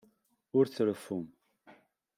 Ur treffum.